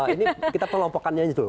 ini kita kelompokannya dulu